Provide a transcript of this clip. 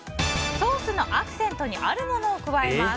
ソースのアクセントにあるものを加えます。